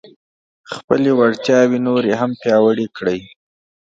خپلې وړتیاوې نورې هم پیاوړې کړئ.